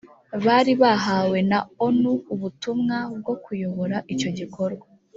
bari bahawe na onu ubutumwa bwo kuyobora icyo gikorwa